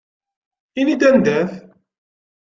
Ini-d anda-t!